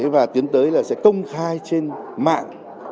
và tiến tới sẽ công khai trên mạng toàn quốc vụ y tế